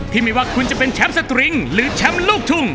ไม่ว่าคุณจะเป็นแชมป์สตริงหรือแชมป์ลูกทุ่ง